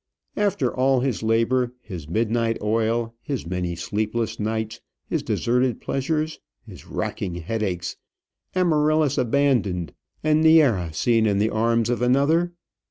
After all his labour, his midnight oil, his many sleepless nights, his deserted pleasures, his racking headaches, Amaryllis abandoned, and Neæra seen in the arms of another